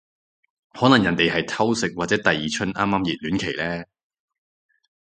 可能人哋係偷食或者第二春啱啱熱戀期呢